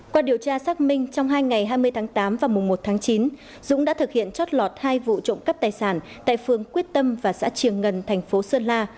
qua điều tra xác minh trong hai ngày hai mươi tháng tám và mùng một tháng chín dũng đã thực hiện chót lọt hai vụ trộm cắp tài sản tại phương quyết tâm và xã triềng ngân thành phố sơn la